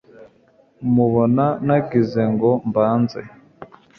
mubona nagize ngo mbanze